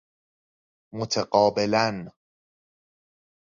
متقابلاً